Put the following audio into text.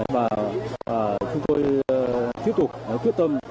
và chúng tôi tiếp tục quyết tâm